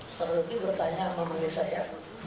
setelah ruki bertanya sama saya